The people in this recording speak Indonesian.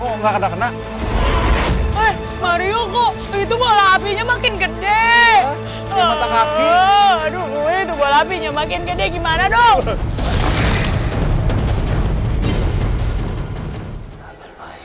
kok nggak kena kena eh mario itu apinya makin gede aduh itu apinya makin gede gimana dong